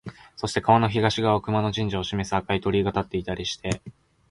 そして川の東側に熊野神社を示す赤い鳥居が立っていたりして、